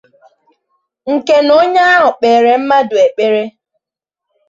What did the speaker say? nke na onye ahụ kpeere mmadụ ekpere